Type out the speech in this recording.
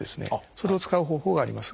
それを使う方法があります。